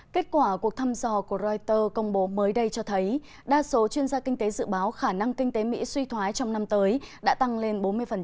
kết quả cuộc thăm dò của reuters công bố mới đây cho thấy đa số chuyên gia kinh tế dự báo khả năng kinh tế mỹ suy thoái trong năm tới đã tăng lên bốn mươi